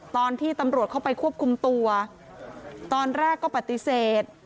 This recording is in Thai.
ตอนที่ตำรวจเข้าไปควบคุมตัวตอนแรกก็ปฏิเสธ